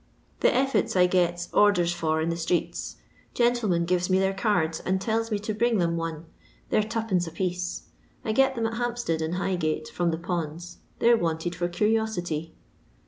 " The effets I gets orders for in the streets. Gen tlemen giTes me their cards, and tells me to bring them one; they're 2d, apiece. I get them at Hampstead and Highgate, from the ponds. They 're wanted for cur'osity.